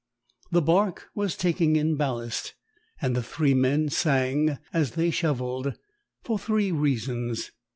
The barque was taking in ballast; and the three men sang as they shovelled, for three reasons.